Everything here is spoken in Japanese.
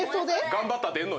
頑張ったら出んのに。